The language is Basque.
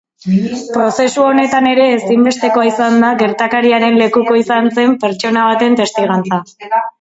Prozesu honetan ere ezinbestekoa izan da gertakariaren lekuko izan zen pertsona baten testigantza.